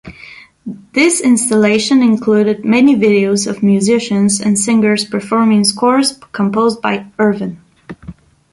This installation included many videos of musicians and singers performing scores composed by Irvine.